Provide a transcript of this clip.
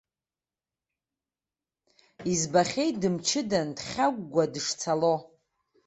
Избахьеит дымчыдан, дхьагәгәа дышцало.